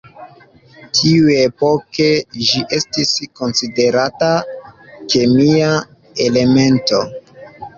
Tiuepoke ĝi estis konsiderata kemia elemento.